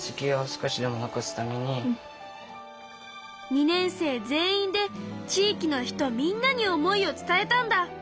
２年生全員で地域の人みんなに思いを伝えたんだ。